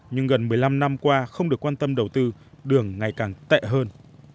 nhưng gần một mươi năm năm qua không được quan tâm đầu tư đường ngày càng tệ hơn